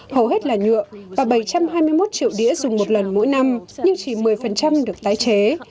hầu hết là nhựa và bảy trăm hai mươi một triệu đĩa dùng một lần mỗi năm nhưng chỉ một mươi được tái chế